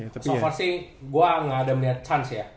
so far sih gue gak ada melihat chance ya